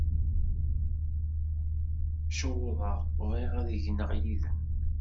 Cewḍeɣ, bɣiɣ ad gneɣ yid-m.